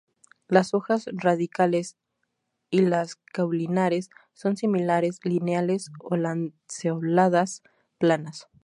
Las hojas radicales y las caulinares son similares, lineales o lanceoladas, planas.